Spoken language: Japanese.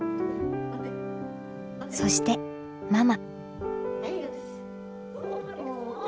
そしてママ。